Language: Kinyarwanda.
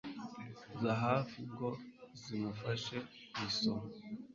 zahafi ngo zimufashe kuyisoma